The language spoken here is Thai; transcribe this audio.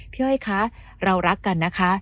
อ้อยคะเรารักกันนะคะ